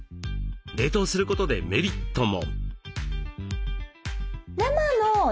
冷凍することでメリットも。